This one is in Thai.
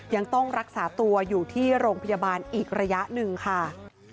ยังต้องรักษาตัวอยู่ที่โรงพยาบาลอีกระยะหนึ่งค่ะ